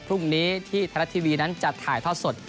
พรุ่งนี้ที่ไทยแร็ตทีวีนั้นจัดถ่ายเพราะสด